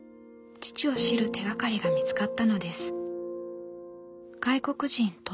父を知る手がかりが見つかったのです。